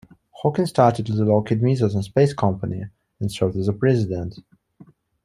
Hawkins started the Lockheed Missiles and Space Company and served as President.